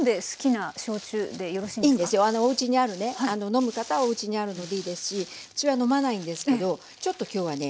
飲む方はおうちにあるのでいいですしうちは飲まないんですけどちょっと今日はね